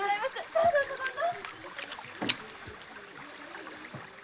さあどうぞどうぞ！